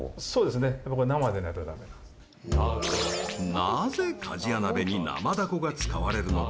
なぜ鍛冶屋鍋に生ダコが使われるのか？